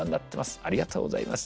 ありがとうございます。